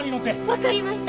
分かりました！